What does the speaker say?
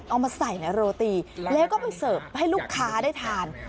เอามาใส่ในโรตีแล้วก็ไปเสิร์ฟให้ลูกค้าได้ทาน